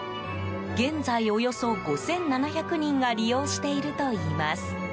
現在、およそ５７００人が利用しているといいます。